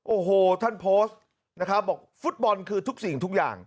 โอ้โหท่านโพสต์นะครับบอกฟุตบอลคือทุกสิ่งทุกอย่าง